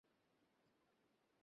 এলি, না!